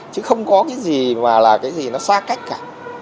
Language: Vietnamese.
chứ không có cái gì mà là cái gì nó xa cách cả